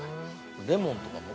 レモンとかも？